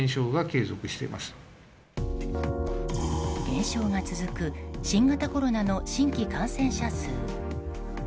減少が続く新型コロナの新規感染者数。